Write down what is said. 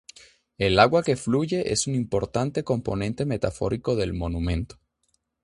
El agua que fluye es un importante componente metafórico del monumento.